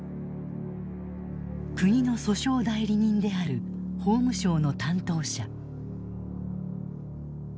国の訴訟代理人である法務省の担当者。